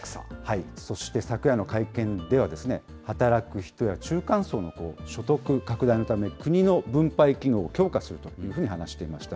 そして昨夜の会見では、働く人や中間層の所得拡大のため、国の分配機能を強化するというふうに話していました。